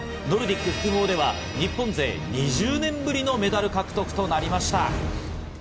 ノルディック複合では日本勢２０年ぶりのメダル獲得になりました。